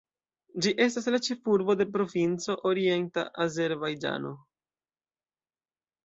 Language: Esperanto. Ĝi estas la ĉefurbo de provinco Orienta Azerbajĝano.